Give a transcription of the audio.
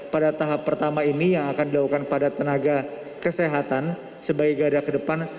pada tahap pertama ini yang akan dilakukan pada tenaga kesehatan sebagai gara kedepan